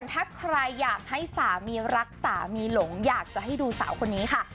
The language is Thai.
ถ้าใครอยากให้สามีรักสามีหลงอยากจะให้ดูสาวคนนี้ค่ะ